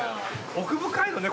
奥深いのね